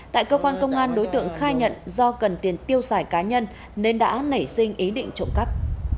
tại cơ quan công an đối tượng khai nhận do cần tiền tiêu xài cá nhân nên đã nảy sinh ý định trộm cắp